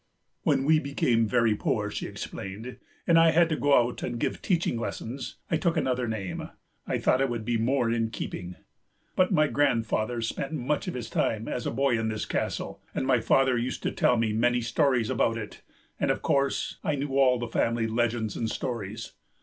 "When we became very poor," she explained, "and I had to go out and give teaching lessons, I took another name; I thought it would be more in keeping. But my grandfather spent much of his time as a boy in this castle, and my father used to tell me many stories about it, and, of course, I knew all the family legends and stories.